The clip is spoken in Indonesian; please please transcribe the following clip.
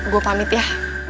gua pamit ya